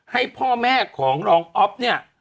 ให้พ่อแม่ของรองอ๊อฟเนี่ย